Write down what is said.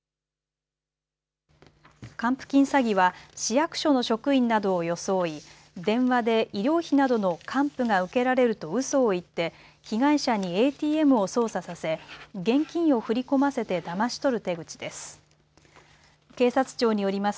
還付金詐欺は市役所の職員などをよそおい電話で医療費などの還付が受けられるとうそを言って被害者にＡＴＭを操作させ現金を振り込ませてだまし取る手口です。